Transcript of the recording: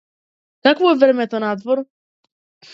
Какво е времето надвор?